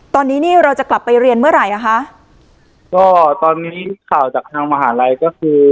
ตอนนี้นี่เราจะกลับไปเรียนเมื่อไหร่อ่ะคะก็ตอนนี้ข่าวจากทางมหาลัยก็คือ